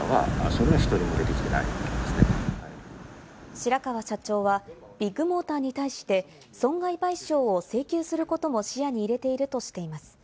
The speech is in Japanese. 白川社長はビッグモーターに対して損害賠償を請求することも視野に入れているとしています。